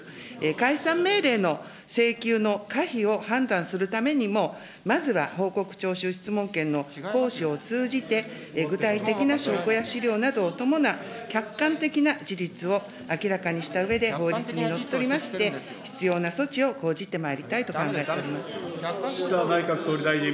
解散命令の請求の可否を判断するためにもまずは報告徴収、質問権の行使を通じて、具体的な証拠や資料などを伴う客観的な事実を明らかにしたうえで、法律にのっとりまして、必要な措置を講じてま岸田内閣総理大臣。